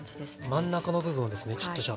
真ん中の部分をですねちょっとじゃあ。